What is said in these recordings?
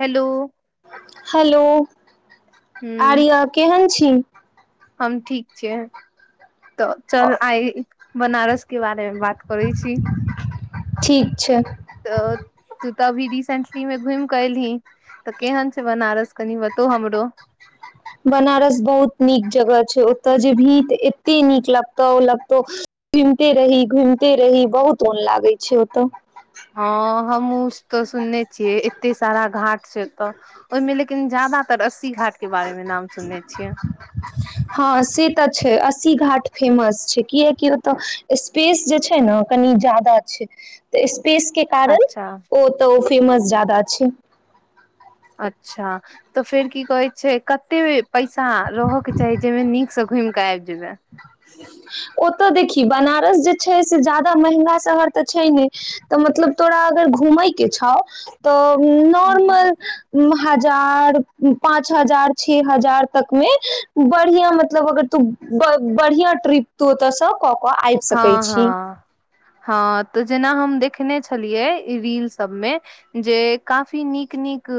hello hello हूँ आर्या केहन छ [unintelligible] हम ठीक छिय तऽ चल आइ बनारसके बात बात करै छी ठीक छै तऽ तऽ अभी रिसेंटली मे घुमि केऽ एलही तऽ केहन छै बनारस कनि बतो हमरो बनारस बहुत नीक जगह छै ओत जेबही त एते नीक लगतौ लगतौ घुमिते रही घुमिते रही बहुत मोन लागै छै ओतऽ हमहु त सुनने छियै एते सारा घाट छै ओत्त ओहिमे लेकिन जादातर अस्सी घाट के बारेमे नाम सुनने छियै हँ से तऽ छै अस्सी घाट फेमस छै कियकि ओतऽ स्पेस जे छैय न कनि ज्यदा छै तऽ पेस के कारण अच्छा ओ तऽ ओ फेमस जादा छै अच्छा तऽ फेर की कहै छै कते पैसा रहके चाही जाहिमे नीकसँ घुमि कऽ आबि जेबै ओतऽ देखी बनारस जे छै से जादा महगा शहर तऽ छै नहि तऽ मतलब तोरा अगर घुमैके छ तऽ नॉर्मल हजार पाँच हजार छ हजार तक मे बढ़िया मतलब अगर तू बढ़िआ ट्रिप तू ओत स कक कऽ आबि सकैत हँ छी हँ हँ तऽ जेना हम देखने छलियै रील सब मे जे काफी नीक नीक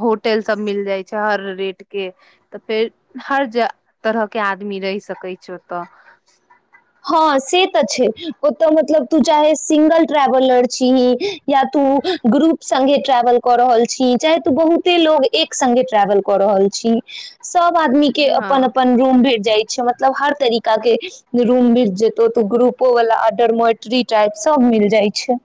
होटल सब मिल जाइ छै हर रेट के तऽ फेर हर तरह के आदमी रहि सकैत छै ओतऽ हँ से तऽ छै ओतऽ मतलब तू चाहे सिंगल ट्रेवलर छीही या तू ग्रुप संगे ट्रेवल कऽ रहल छी चाहे तू बहुते लोग एक संगे ट्रेवल क रहल छी सब आदमी के अपन हँ अपन रूम भेट जाइ छै मतलब हर तरीका के रूम मिल जेतौ तऽ ग्रुपो वाला अडरमोटरी टाइप सब मिल जाय छै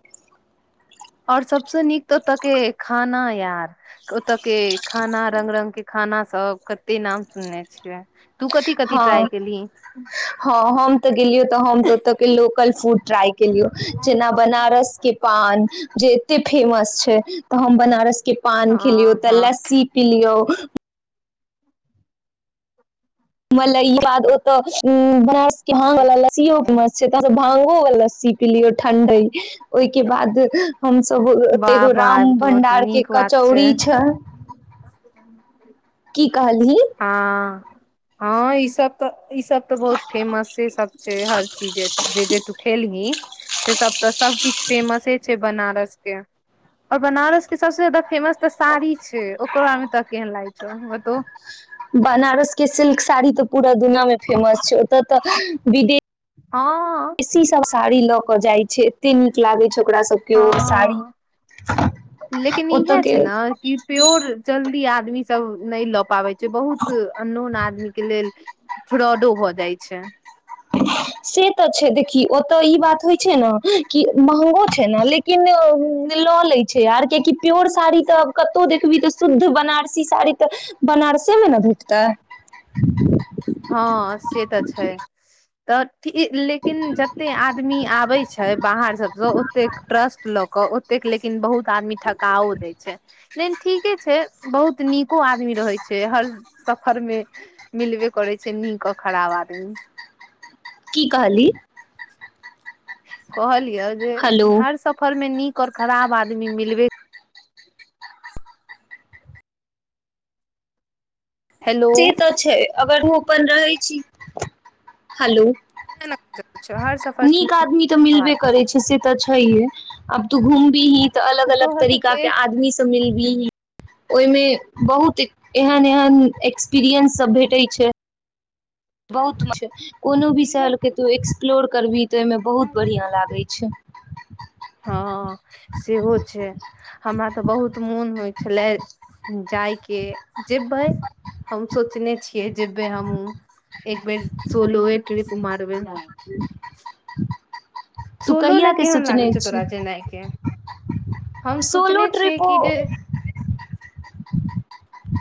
आओर सबस नीक ओतके खाना यार ओतऽ के खाना रंग रंग के खाना सब कते नाम सुनने छियै तू कथि कथि ट्राइ हँ केलही हँ हम तऽ गेलियै तऽ हमऽ ओत के लोक कलफू ट्राई हँ केलियो जेना बनारस के पान जे एते फेमस छै तऽ हम बनारस के पान खेलियौ तऽ हँ लस्सी पिलियऔ मल ई बाद ओतऽ्र ह मस्त छै भा ओ लस्सी पी लियौ ठण्डे ओहिके बाद हमस वाह ओतेगो वाह राम ई तऽ बहुत भंडार के नीक बात कचौड़ी छै की कहली हँ हँ ईसभ तऽ ई सब तऽ बहुत फेमसे सब छै हर चीजे जे जे तू खेलही से सब तऽ सब किछ फेमस छैय बनारस और बनारस के सबस जााददा फेमस तऽ साड़ी छै ओकरो ब मे तऽ केन लागै छौ बतो बनारसके सिल्क साड़ी तऽ पूरा दुनिमे फेमस छै ओतऽ तऽ विदेश हँ एसी सब साड़ी लऽ जाइ छै एते नीक लागै छै ओकरा सबके साड़ी हँ लेकिन ओत इएह के छै ने कि प्योर जल्दी आदमी सब नहि लऽ पाबै छै बहुत अननोोन आदमी के लेल फ्रॉडो भऽ जाइ छै से तऽ छै देखी ओतऽ ई बात होइ छै ने कि महगो छै ने लेकिन लऽ लै छै आर कियकि प्योर साड़ी तऽ आब कतहु देखबी तऽ शुद्ध बनारसी साड़ी तऽ बनारसेमे ने भेटतै हँ से तऽ छै तऽ लेकिन जते आदमी आबे छै बाहर सबसँ ओतेक ट्रस्ट लऽ के ओतेक लेकिन बहुत आदमी ठकाओ दय छै ल ठीके छै बहुत नीको आदमी रहे छै हर सफर मे मिलवे करै छै नीक खराब आदमी की कहली कहली य जे हेलो हर सफर में नीक ओकर खराब आदमी मिलबे हेलो ती तऽ छै अगर अपन रहै छी हेलो नहि [unintelligible] नीक आदमी तऽ मिलबे करै छै आदमी से तऽ छ अब तू घूमबीही त अलग अलग तोहर तरीका के आदमी सब मिलत ओहिमे बहुत एहन एहन एक्सपीरियंस सब भेटै छै बहुत किछ कोनो भी बिसहल के तू एक्सप्लोर करबीही तऽ ओहिमे बहुत सबके बढ़िआँ लागै छैइ हँ सेहो छै हमरा तऽ बहुत मोन होइ छलै जायके जेबै हम सोचने छियै जेबै हमहूँ एक बेर सोलोय ट्रीप मारबइ हम ह [inaudible] सोलो लए केहन लागै छौ तोरा जेनाइ के हम सोलो सोचने छियै ट्रिपो कि जे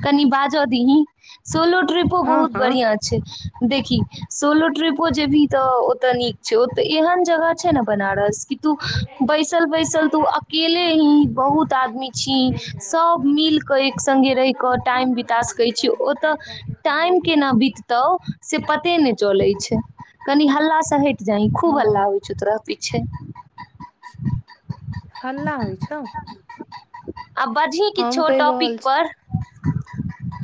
कनी बाज दी हें सोलो ट्रिपो हँ बहुत हँ बढ़िआँ छैइ देखही सोलो ट्रिपो जेबही तऽ ओतऽ नीक छै ओतऽ एहन जगह छैइ ने बनारस तू बैसल बैसल तू अकेले ही बहुत आदमी छीही सब मिल के एक संड़्गे रहि क टाइम बिता सकै छी ओतऽ टाइम केना बिततौ से पते नहि चलैइ छैइ कनी हल्ला सहि जहि खूब हँ हल्ला होइ छैइ तोरा त छैय हल्ला होइ छौ [inaudible] आ बजही हम किछो कहि टॉपिक रहल छी पर [inaudible]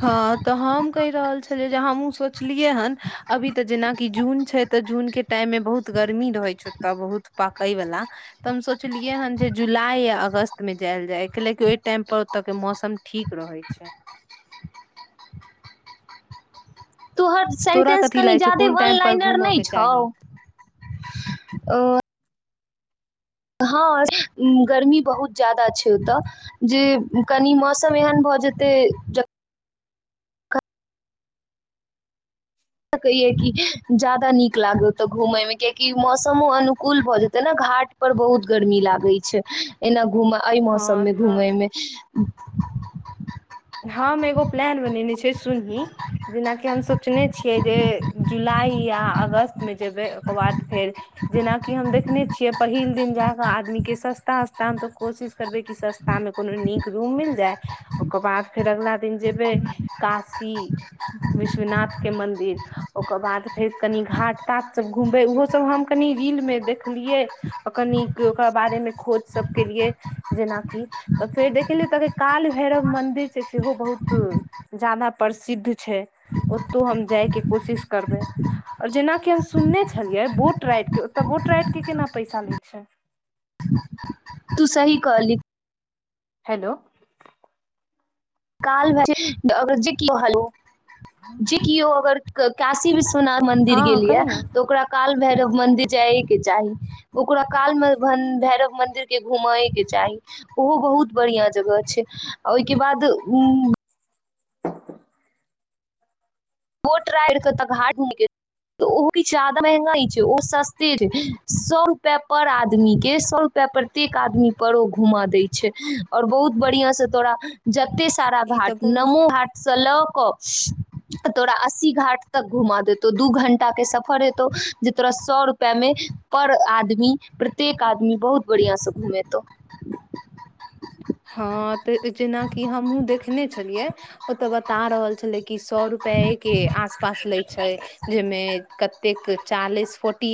हँ तऽ हम कहि रहल छी जे हमहुँ सोच सोचलिय हन अभी तक जेना कि जून छैय त जून के टाइम में बहुत गर्मी रहे छैय ओत बहुत पा कय वला तऽ हम सोचलियै हन जे जुलाई या अगस्त मे जायल जाय कलेकि ओहि टाइम पर ओतय के मौसम ठीक रहै छै तोहर तोरा सेंटेंस कथी कनि लागै जा छौ कोन वन टाइम पर लाइनर घूमऽ नहि के छौ चाही हँ गर्मी बहुत ज्यादा छै ओतय जे कनि मौसम एहन भऽ जेतै ज स कहिये कि ज्यादा नीक लागत ओते घूमेय मे कियाकि मौसमो अनुकूल भऽ जेते ने घाट पर बहुत गर्मी लागे छै एना घुम एहि हँ मौसम मे तऽ घूम मे [inaudible] हम एगो प्लान बनेने छै सुनही जेनाकि हमस सोचने छियै जे जुलाइ या अगस्तमे जेबै ओकर बाद फेर जेनाकि हम देखने छियै पहिल दिन जा कऽ आदमीके सस्ता सस्ता हम तऽ कोशिश करबै कि सस्तामे कोनो नीक रूम मिल जाय आ फेर अगला दिन जेबय काशी विश्वनाथ के मंन्दिर ओकर बाद फेर कनि घाट ताट सब घूमबे उहो सब हम कनी रील में देख देखलियै अकनीक ओकरा बारेमे खोज सब केलिये जेन की फेर देखलहियहि ओत के काल भैरव मन्दिर छै सेहो बहुत जादा प्रसिद्ध छै ओतौ हम जायके कोशिश करबै आओर जेनाकि हम सुनने छलियै बोट रइड के ओ बोट रइड के केना पैसा लै छै तू सही कहलि हेलो काल भ जे को हल जे कि ओ अगर काशी विश्व थ मन्दि हँ गेलियै कहि न तऽ ओकरा काल भैरव मंदिर जाय के चाही ओकरा काल मे भैरव मंदिर के घुमेए के चाही ओहो बहुत बढ़िया जगह छै ओईके बाद [inaudible] [inaudible] बोट राइड के तऽ घाट ओ ज्यादा महंगा नए छै ओ सस्ते छै सौ रुपआ पर आदमी के सए रुपआ प्रत्येक आदमी पर ओ घुम दै छै और बहुत बढ़िआं से तोरा जते सारा ई भाट तऽ बहुत नमो भाट सलह कफ तऽ तोरा अस्सी घाट तक घुमा देतौ दू घंटा के सफर हेतौ जे तोरा सौ रुपआ मे पर आदमी प्रत्येक आदमी बहुत बढ़ियां स घुमेतौ हँ तऽ जेनाकि हमहु देखने छलियै ओतय बता रहल छलै कि सौएरुपए के आस पास ले छै जाहिमे कतेक चालीस फोर्टी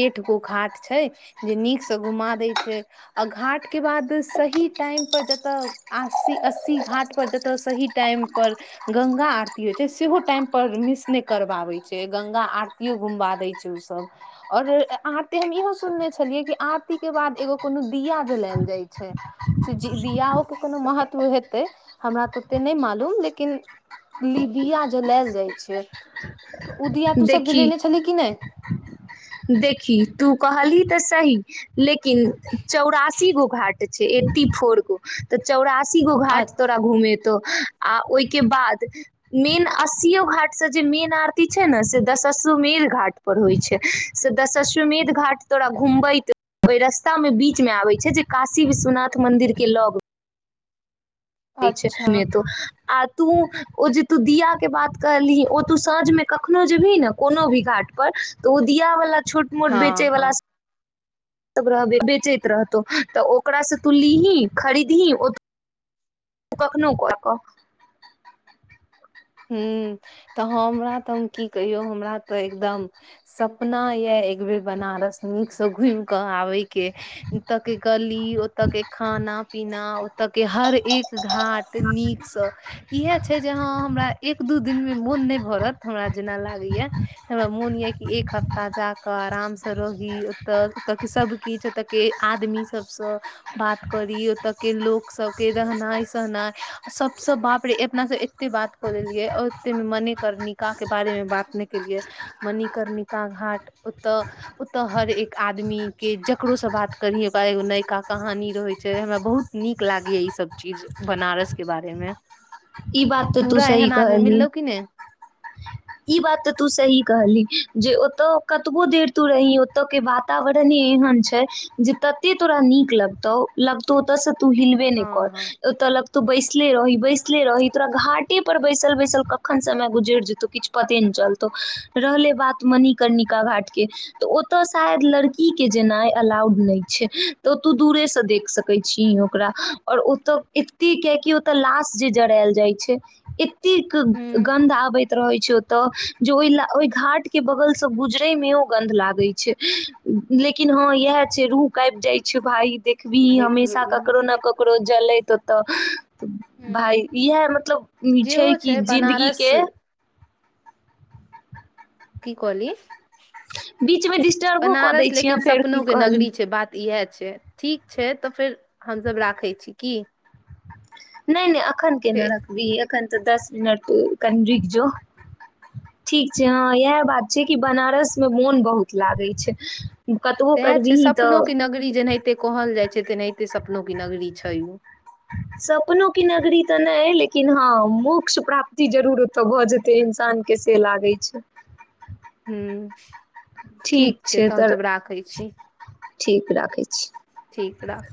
एट गो घाट छै जे नीक से घुमा देय छै आ घाट के बाद सही टाइम पर जतऽस अस्सी घाट पर जतय सही टाइम पर गंगा आरती होइ छै सेहो टाइम पर मिस नहि करबाबै छै गंगा आरतीयो घुमबा दै छै ओसभ आओर आरती हम इहो सुनने छलियै कि आरतीके बाद एगो कोनो दिया जलायल जाइ छै से ज दियाओ के कोनो महत्व हेतै हमरा तऽ ओते नहि मालूम लेकिन लिदिया या जलायल जाइ छै तऽ ओ दिया तूसब जलेने छलही कि नहि देखि तू कहली तऽ सही लेकिन किन चौरासी चौरासी गो घाट छै एटी फोर गो तऽ चौरासी अस्सी गो घाट तोरा अच्छा घूमे तो आ ओहिके बाद मेन अस्सियो घाट से जे मेन आरती छै ने से दशसशोमेर घाट पर होइ छै से दश्वमेध घाट तोरा घुमबैत रस्तामे बीचमे आबैत छै जे काशी विश्वनाथ मन्दिर के लग छै अच्छा नहि त आ तू ओ जे तू दिया के बात कहलही ओ तू साँझमे कखनो जेबही ने कोनो भी घाट पर तो ओ दिया वला छोट मोट हँ बेचै हँ वला त रहबै बेचैत रहतौ तऽ ओकरासँ तू लीही खरीदही ओ त कखनोहु कऽ कऽ हू तऽ हमरा तऽ हम की कहियौ हमरा तऽ एकदम सपना यऽ एक बेर बनारस नीक से घुम के आबै के तऽ के गल की ओतऽ के खाना पीना तऽ के हर एक घाट नीकसँ इएह छै जे ह हमरा एक दू दिन मे मोन नहि भरत हमरा जेना लागैया हमरा मोन ये कि एक हफ्ता जाक आराम से रही ओतऽ ओऽ के सब किछु ओतय के आदमी सबसँ बात करी ओतय के लोक सबके रहनाय सहनाय सबसँ बाप रे अपनासँ एते बात को देलियै ओतेमे मणिकर्णिका के बारे मे बात नहि केलियै मणिकर्णिका घाट ओतऽ ओतय हर एक आदमी के जकरो से बात करही ओकरा एगो नयका कहानी रहै छै हमरा बहुत नीक लागैया ई सब चीज बनारस के बारे मे [inaudible] ई बात तऽ तू तोरा सही एहन आदमी कहली मिललौ कि नहि ई बात तऽ तू सही कहली जे ओतय कतबो देर तू रही ओतय के वातावरणे एहन छै जे तते तोरा नीक लगतौ लगतौ ओतयसँ त हिलब नहि हँ कर हँ ओ तऽल [unintelligible] ले रही बैसले रही तोरा घाटे पर बैसल बैसल कखन समय गुजरि जेतौ किछु पते नहि चलतौ रहले बात त मनीकर्णिका घाट के तऽ ओतय शायद लड़की के जेनाय अलाउड नहि छै तऽ तू दूरेसँ देख सकै छीयी ओकरा आओर ओतय एते कियकि ओतय लाश जे जरायल जाइ छै कतेक हूँ गन्ध आबैत रहय छ तऽ जे ओहि ल ओहि घाट के बगल से गुजरै मे ओ गन्ध लागै छै लेकिन हँ इएह छै रूह कापि जाय छै भाय देखबिही हमेशा ककरो ने निकले ककरो जलैत ओ तऽ भाय हूँ इएह मतलब इ छै जेहो कि जिंदगीे बनारस के की कहली बीचमे डिस्टर्बो कऽ दै बनारस छीय लेकिन हम फेर सपनो की के कहली नगरी छै बात इएह ठीक छै तऽ फेर हमसभ राखै छी की नहि नहि अखन केना फेर रखविही अखन तऽ दस मिनट कनि रुक जो ठीक छै हँ इएह बात छै कि बनारस मे मोन बहुत लागै छै कतबो सएह छै करबिही तऽ सपनोके नगरी जेनहिते कहल जाइ छै तेनहिते सपनो की नगरी छैय उ सपनो के नगरी तऽ नहि लेकिन हँ मोक्ष प्राप्ति जरूर ओतय भऽ जेतय इंसानके से लागै छै हू ठीक छै तऽ हमसभ राखै छी ठीक राखै छी ठीक राख